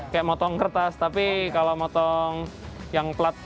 kayak motong kertas tapi kalau motong yang plat